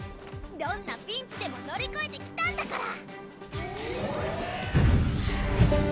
どんなピンチでも乗り越えてきたんだから！